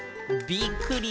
「びっくり！